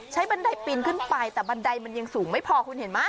บันไดปีนขึ้นไปแต่บันไดมันยังสูงไม่พอคุณเห็นไหม